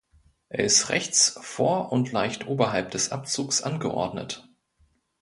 Er ist rechts vor und leicht oberhalb des Abzugs angeordnet.